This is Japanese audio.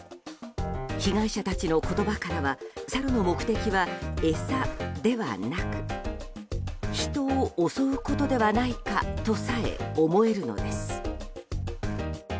被害者たちの言葉からはサルの目的は餌ではなく人を襲うことではないかとさえ思えるのです。